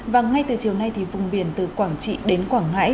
và ngay từ chiều nay thì vùng biển từ quảng trị đến quảng ngãi